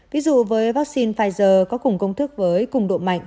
ví dụ với vaccine pfizer có cùng công thức với cùng độ mạnh